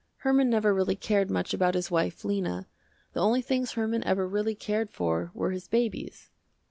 Herman never really cared much about his wife, Lena. The only things Herman ever really cared for were his babies.